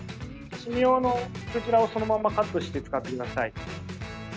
刺身用のクジラをそのままカットして使ってください。